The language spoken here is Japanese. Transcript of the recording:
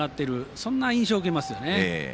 そんな印象を受けますよね。